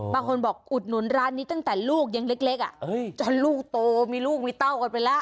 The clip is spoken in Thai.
บางคนบอกอุดหนุนร้านนี้ตั้งแต่ลูกยังเล็กจนลูกโตมีลูกมีเต้ากันไปแล้ว